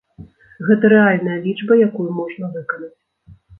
Гэта рэальная лічба, якую можна выканаць.